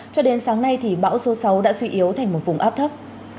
cho đến sáng nay thì bão số sáu đã suy yếu thành một vùng áp thấp